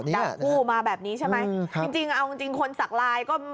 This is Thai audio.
จับคู่มาแบบนี้ใช่ไหมจริงจริงเอาจริงจริงคนสักลายก็